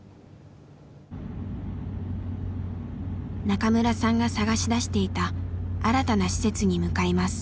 中村さんが探し出していた新たな施設に向かいます。